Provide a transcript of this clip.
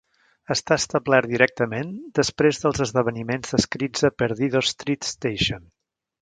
Està establert directament després dels esdeveniments descrits a "Perdido Street Station".